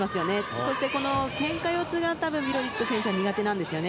そして、けんか四つがビロディッドは苦手なんですよね。